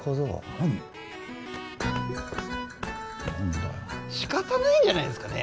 何だよ仕方ないんじゃないですかね